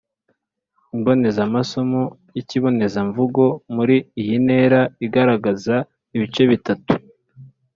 Imbonezamasomo y’ikibonezamvugo muri iyi ntera igaragaza ibice bitatu: